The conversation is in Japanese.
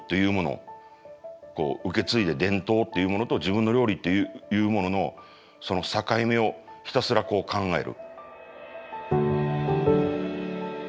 受け継いだ伝統っていうものと自分の料理というもののその境目をひたすら考える。